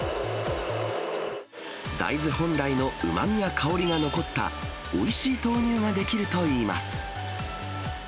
大豆本来のうまみや香りが残ったおいしい豆乳が出来るといいます。